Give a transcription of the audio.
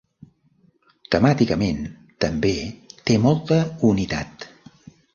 Temàticament també té molta unitat.